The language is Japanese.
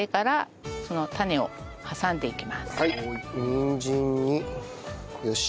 にんじんによし。